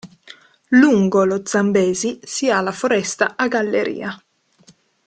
Lungo lo Zambesi si ha la foresta a galleria.